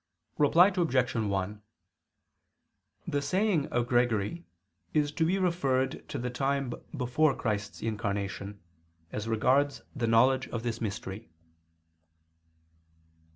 Reply Obj. 1: The saying of Gregory is to be referred to the time before Christ's incarnation, as regards the knowledge of this mystery.